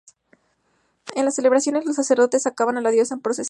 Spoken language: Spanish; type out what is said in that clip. En las celebraciones, los sacerdotes sacaban a la diosa en procesión.